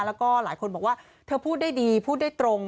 แล้วก็หลายคนบอกว่าเธอพูดได้ดีพูดได้ตรง